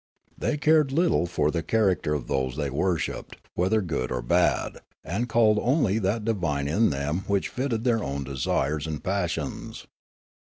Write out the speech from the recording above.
They cared little for the character of those they worshipped, whether good or bad, and called only that divine in them which fitted tbeir own desires and passions.